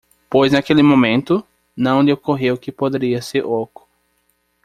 Pois naquele momento? não lhe ocorreu que poderia ser oco.